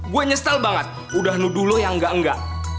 gue nyesel banget udah nuduh lo yang enggak enggak